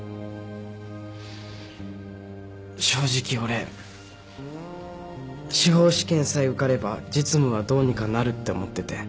正直俺司法試験さえ受かれば実務はどうにかなるって思ってて。